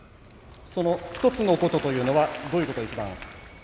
１つのことというのはどういうことですか？